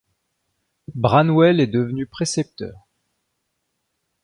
Branwell est devenu précepteur.